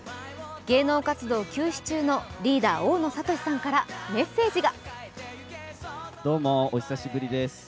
芸能活動休止中のリーダー、大野智さんからメッセージが。